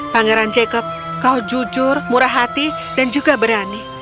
pangeran jacob kau jujur murah hati dan juga berani